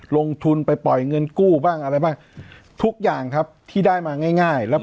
ลงทุนไปปล่อยเงินกู้บ้างอะไรบ้างทุกอย่างครับที่ได้มาง่ายแล้ว